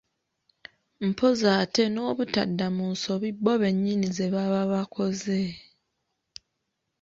Mpozzi ate nobutadda mu nsobi bo bennyini ze baba bakoze.